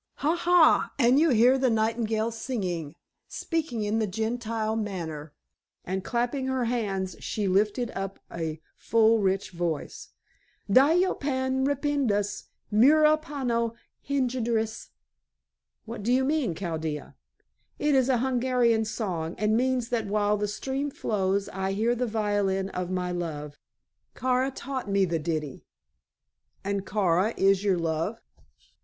Ha! ha! and you hear the nightingale singing, speaking in the Gentile manner," and clapping her hands she lifted up a full rich voice. "Dyal o pani repedishis, M'ro pirano hegedishis." "What does that mean, Chaldea?" "It is an Hungarian song, and means that while the stream flows I hear the violin of my love. Kara taught me the ditty." "And Kara is your love?"